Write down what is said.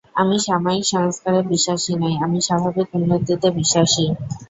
আমি সাময়িক সংস্কারে বিশ্বাসী নই, আমি স্বাভাবিক উন্নতিতে বিশ্বাসী।